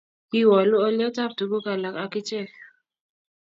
kiwoolu olyetab tuguk alak ak ichek